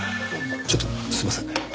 ちょっとすいません。